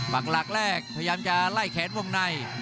ปากหลักแรกพยายามจะไล่แขนวงใน